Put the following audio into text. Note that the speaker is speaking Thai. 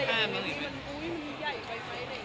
น้องข้ามนี้ไม่ไหว